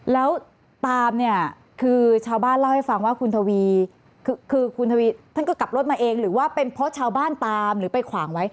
แล้วตามเนี่ยคือชาวบ้านเล่าให้ฟังว่าคุณทวีคือคุณทวีท่านก็กลับรถมาเองหรือว่าเป็นเพราะชาวบ้านตามหรือไปขวางไว้